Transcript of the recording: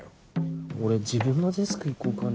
俺自分のデスク行こうかな。